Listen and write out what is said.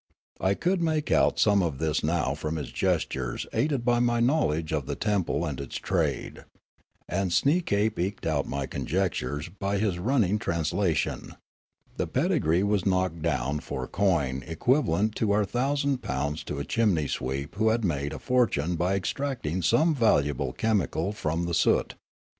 I could make out some of this now from his gestures, aided by my know ledge of the temple and its trade; and Sneekape eked out my conjectures by his running translation. The pedigree was knocked down for coin equivalent to our thousand pounds to a chimney sweep who had made a fortune by extracting some valuable chemical from the soot.